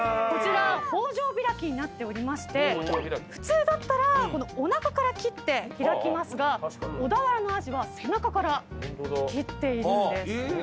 こちらほうじょう開きになっておりまして普通だったらおなかから切って開きますが小田原のアジは背中から切っているんです。